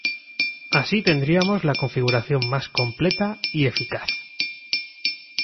Así tendríamos la configuración más completa y eficaz.